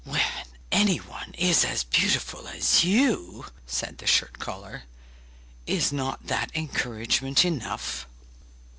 'When anyone is as beautiful as you,' said the shirt collar, 'is not that encouragement enough?